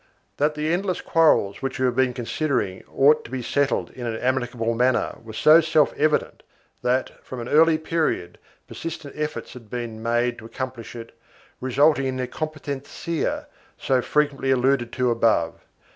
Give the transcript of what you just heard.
1 That the endless quarrels which we have been considering ought to be settled in an amicable manner was so self evident that, from an early period, persistent efforts had been made to accomplish it, resulting in the "competencia" so frequently alluded to above.